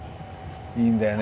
いいんだよね